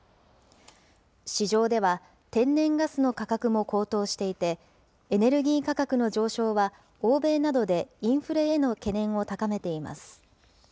市場では、天然ガスの価格も高騰していて、エネルギー価格の上昇は、欧米などでインフレへの懸念を高めています。